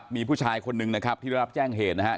มีผู้ชายคนหนึ่งนะครับที่ได้รับแจ้งเหตุนะครับ